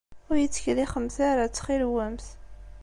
Ur iyi-ttkellixemt ara, ttxil-went.